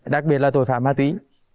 đặc biệt là tội phạm ma túy